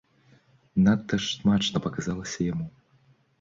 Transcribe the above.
Надта ж смачна паказалася яму.